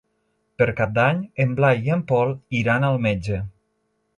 Per Cap d'Any en Blai i en Pol iran al metge.